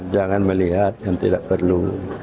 jangan melihat yang tidak perlu